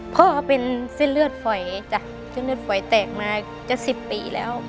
พ่อเป็นเส้นเลือดฝอยจ้ะเส้นเลือดฝอยแตกมาจะ๑๐ปีแล้ว